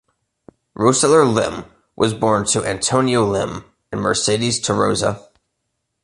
Roseller Lim was born to Antonio Lim and Mercedes Tarroza.